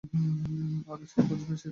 আর যে খুঁজবে সে-ও সেটা বার করবে।